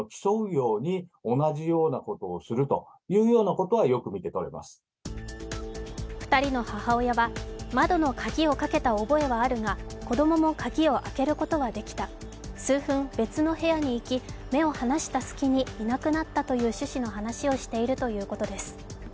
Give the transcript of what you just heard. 子供の心理に詳しい専門家は２人の母親は窓の鍵をかけた覚えはあるが子供も鍵を開けることはできた、数分別の部屋に行き、目を離した隙にいなくなったという趣旨の話をしているということです。